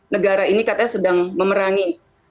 negara ini katanya sedang memerangi